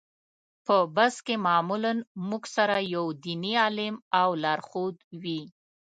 په بس کې معمولا موږ سره یو دیني عالم او لارښود وي.